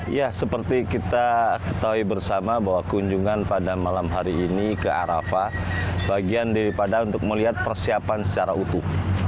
ya seperti kita ketahui bersama bahwa kunjungan pada malam hari ini ke arafah bagian daripada untuk melihat persiapan secara utuh